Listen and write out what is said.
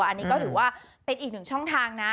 อันนี้ก็ถือว่าเป็นอีกหนึ่งช่องทางนะ